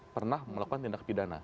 pernah melakukan tindak pidana